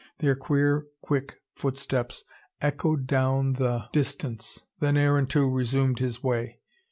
Their queer, quick footsteps echoed down the distance. Then Aaron too resumed his way.